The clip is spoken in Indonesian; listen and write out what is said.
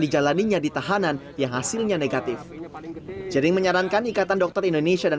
dijalaninya ditahanan yang hasilnya negatif jaring menyarankan ikatan dokter indonesia dan